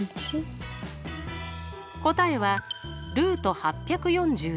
答えはルート８４１。